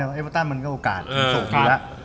โอกาสที่โสดทีละ